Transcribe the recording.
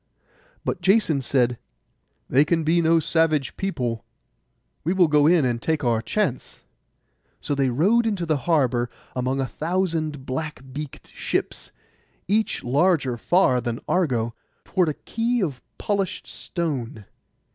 But Jason said, 'They can be no savage people. We will go in and take our chance.' So they rowed into the harbour, among a thousand black beaked ships, each larger far than Argo, toward a quay of polished stone.